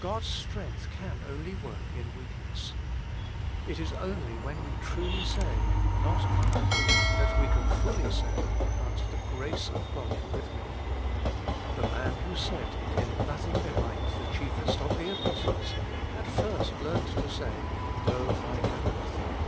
God's strength can only work in weak ness. — It is only when we truly say, Not II Working for God 135 that we can fully say, but the grace of God with me. The man who said, In nothing behind the chief est of the Apostles! had first learnt to say, though I am nothing.